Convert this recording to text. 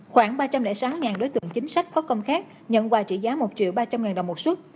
khoảng ba trăm linh sáu đối tượng chính sách có công khác nhận quà trị giá một triệu ba trăm linh ngàn đồng một xuất